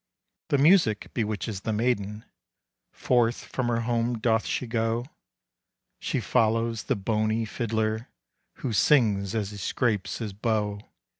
The music bewitches the maiden; Forth from her home doth she go; She follows the bony fiddler, Who sings as he scrapes his bow.